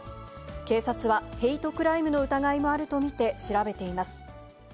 警察はヘイトクライムの疑いもあると見て調べています。